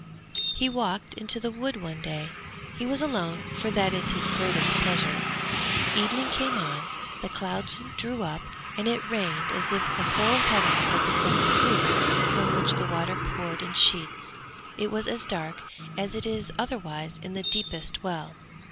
He walked into the wood one day; he was alone, for that was his greatest pleasure. Evening came on, the clouds drew up and it rained as if the whole heaven had become a sluice from which the water poured in sheets; it was as dark as it is otherwise in the deepest well.